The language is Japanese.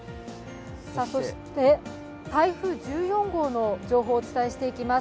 そして台風１４号の情報をお伝えしていきます。